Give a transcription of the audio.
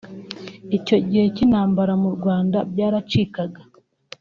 Icyo gihe cy’intambara mu Rwanda byaracikaga